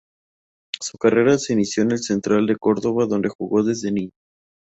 Su carrera se inició en Central Córdoba donde jugó desde niño.